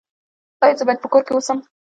ایا زه باید په کور کې اوسم؟